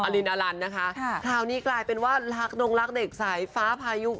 ลินอลันนะคะคราวนี้กลายเป็นว่ารักดงรักเด็กสายฟ้าพายุ